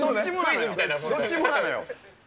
どっちもなのよ。